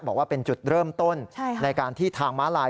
บอกว่าเป็นจุดเริ่มต้นในการที่ทางม้าลาย